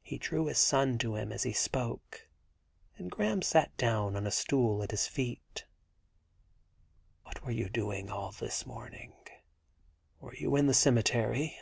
He drew his son to him as he spoke, and Graham sat down on a stool at his feet 98 i THE GARDEN GOD What were you doing all this morning? Were you in the cemetery